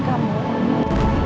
aku ingin semua perbuatan kamu